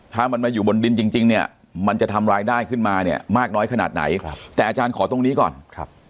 ถ้ามันมาอยู่บนดินจริงจริงเนี่ยมันจะทำรายได้ขึ้นมาเนี่ยมากน้อยขนาดไหนครับแต่อาจารย์ขอตรงนี้ก่อนครับ